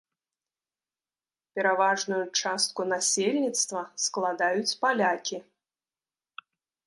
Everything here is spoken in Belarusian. Пераважную частку насельніцтва складаюць палякі.